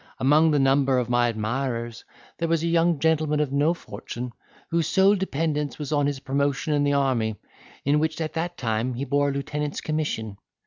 Among the number of my admirers, there was a young gentleman of no fortune, whose sole dependence was on his promotion in the army, in which, at that time, he bore a lieutenant's commission.